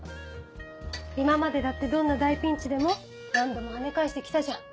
今までだってどんな大ピンチでも何度もはね返してきたじゃん。